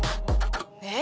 えっ？